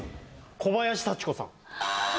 小林幸子さん。